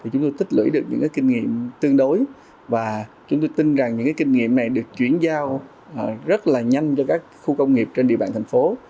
chúng tôi tích lưỡi được những kinh nghiệm tương đối và chúng tôi tin rằng những kinh nghiệm này được chuyển giao rất là nhanh cho các khu công nghiệp trên địa bàn thành phố